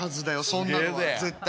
そんなのは絶対に。